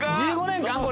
１５年間？